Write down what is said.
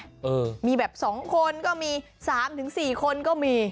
เออมีแบบสองคนก็มีสามถึงสี่คนก็มี